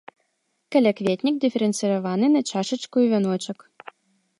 Калякветнік дыферэнцыраваны на чашачку і вяночак.